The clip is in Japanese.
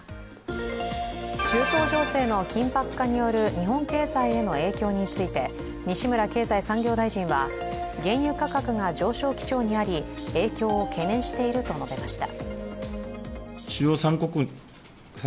中東情勢の緊迫化による日本経済への影響について、西村経済産業大臣は原油価格が上昇基調にあり、影響を懸念していると述べました。